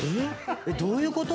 どういうこと？